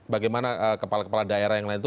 bagaimana kepala kepala daerah yang lain itu